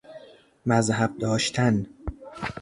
مذهب داشتن